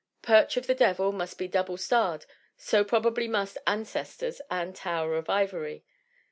Perch of the Devil must be dou blestarred, so probably must Ancestors and Tower of Ivory.